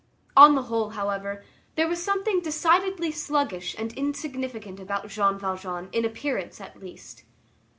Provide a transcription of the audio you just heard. On the whole, however, there was something decidedly sluggish and insignificant about Jean Valjean in appearance, at least.